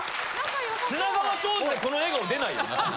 品川庄司でこの笑顔出ないよな。